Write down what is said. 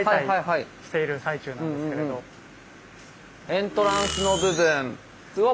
エントランスの部分うわ